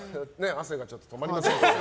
汗が止まりませんね。